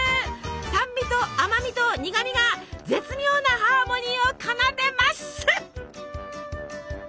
酸味と甘味と苦味が絶妙なハーモニーを奏でます！